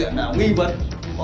ở hải nam hả